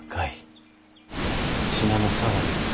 信濃相模